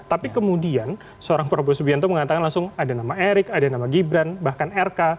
tapi kemudian seorang prabowo subianto mengatakan langsung ada nama erik ada nama gibran bahkan rk